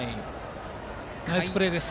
ナイスプレーです。